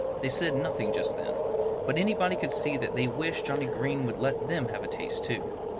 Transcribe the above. They said nothing just then. But anybody could see that they wished Johnnie Green would let them have a taste too.